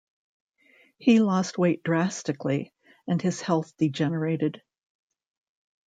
He lost weight drastically and his health degenerated.